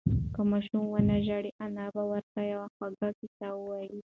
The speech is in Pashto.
که ماشوم ونه ژاړي، انا به ورته یوه خوږه قصه ووایي.